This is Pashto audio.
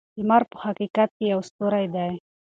لمر په حقیقت کې یو ستوری دی.